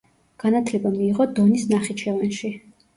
განათლება მიიღო დონის ნახიჩევანში.